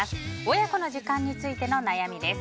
親子の時間についての悩みです。